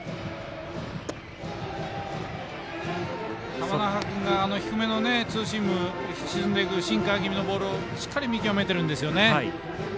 玉那覇君が低めの沈んでいくシンカー気味のボールをしっかり見極めているんですよね。